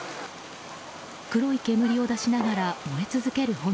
黒い煙を出しながら燃え続ける炎。